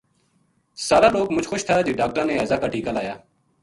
سار لوک مچ خوش تھا جے ڈاکٹراں نے ہیضہ کا ٹیکہ لایا